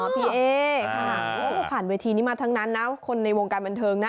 พี่เอ๊ค่ะผ่านเวทีนี้มาทั้งนั้นนะคนในวงการบันเทิงนะ